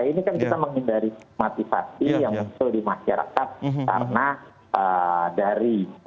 ini kan kita menghindari motivasi yang muncul di masyarakat karena dari warga negara tertentu atau berasal dari negara tertentu